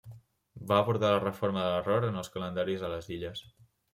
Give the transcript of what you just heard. Va abordar la reforma de l'error en els calendaris a les illes.